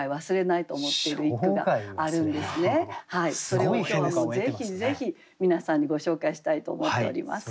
それを今日はぜひぜひ皆さんにご紹介したいと思っております。